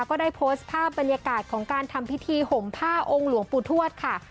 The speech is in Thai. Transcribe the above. ก็ได้โพสต์ภาพบรรยากาศของการทำพิธีห่มผ้าองค์หลวงปู่ทวดค่ะ